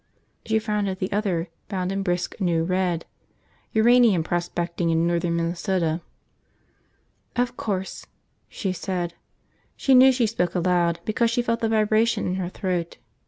She frowned at the other, bound in brisk new red: Uranium Prospecting in Northern Minnesota. "Of course," she said. She knew she spoke aloud because she felt the vibration in her throat.